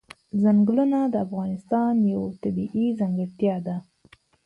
ځنګلونه د افغانستان یوه طبیعي ځانګړتیا ده.